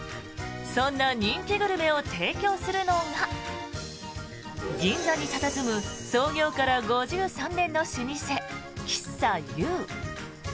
そんな人気グルメを提供するのが銀座に佇む創業から５３年の老舗喫茶ＹＯＵ。